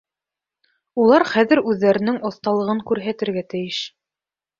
Улар хәҙер үҙҙәренең оҫталығын күрһәтергә тейеш.